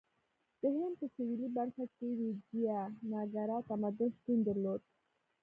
د هند په سویلي برخه کې ویجایاناګرا تمدن شتون درلود.